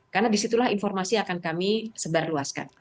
karena disitulah informasi akan kami sebarluaskan